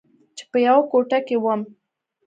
چې په يوه کوټه کښې وم.